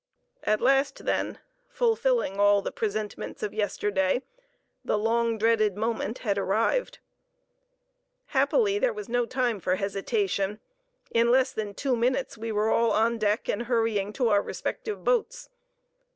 At last, then, fulfilling all the presentiments of yesterday, the long dreaded moment had arrived. Happily there was no time for hesitation—in less than two minutes we were all on deck, and hurrying to our respective boats.